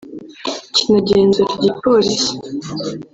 kinagenzura igipolisi